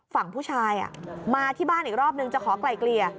ฝั่งผู้ชายมาที่บ้านอีกรอบนึงจะขอไกลเกลี่ย